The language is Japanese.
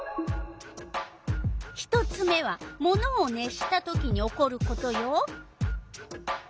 １つ目はものを熱したときに起こることよ。